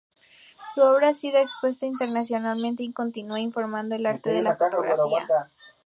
Su obra ha sido expuesta internacionalmente y continúa informando el arte de la fotografía.